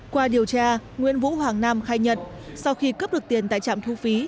qua điều tra nguyễn vũ hoàng nam khai nhận sau khi cướp được tiền tại trạm thu phí